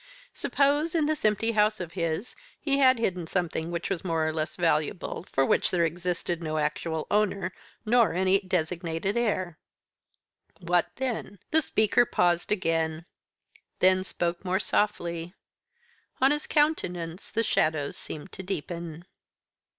Suppose, in this empty house of his, he had hidden something which was more or less valuable, for which there existed no actual owner, nor any designated heir. What then?" The speaker paused again. Then spoke more softly. On his countenance the shadows seemed to deepen.